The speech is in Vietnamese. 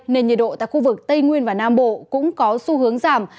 nên nhiệt độ tại khu vực tây nguyên và nam bộ cũng có xu hướng giảm